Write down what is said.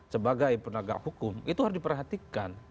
sebagai penagak hukum dan juga pemerintah ini harus dipercaya